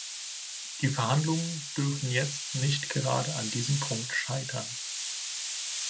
Die Verhandlungen dürfen jetzt nicht gerade an diesem Punkt scheitern.